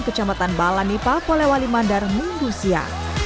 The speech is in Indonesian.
kecamatan balani pakolewali mandar munggusia